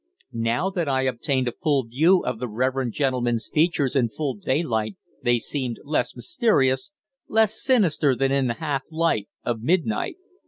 Now that I obtained a full view of the reverend gentleman's features in full daylight they seemed less mysterious, less sinister than in the half light of midnight.